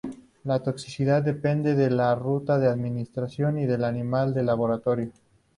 La toxicidad depende de la ruta de administración y del animal de laboratorio.